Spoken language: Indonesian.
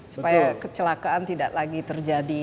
supaya kecelakaan tidak terjadi